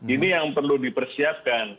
ini yang perlu dipersiapkan